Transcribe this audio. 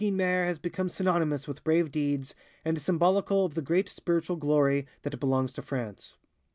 The name of Guynemer has become synonymous with brave deeds and symbolical of the great spiritual glory that belongs to France.